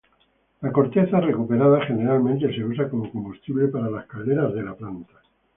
La corteza recuperada generalmente se usa como combustible para las calderas de la planta.